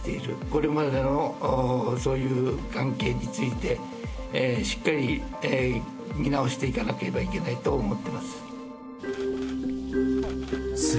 これまでのそういう関係について、しっかり見直していかなければいけないと思っています。